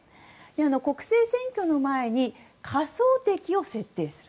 国政選挙の前に仮想敵を設定する。